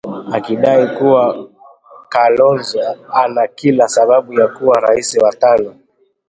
akidai kuwa kalonzo ana kila sababu ya kuwa rais wa tano